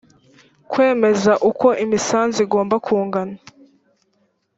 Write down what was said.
kwemeza uko imisanzu igomba kungana